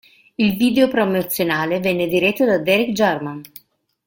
Il video promozionale venne diretto da Derek Jarman.